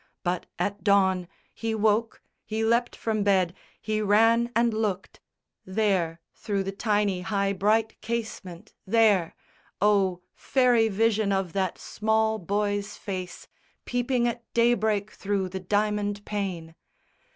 But at dawn He woke, he leapt from bed, he ran and lookt, There, through the tiny high bright casement, there, O, fairy vision of that small boy's face Peeping at daybreak through the diamond pane!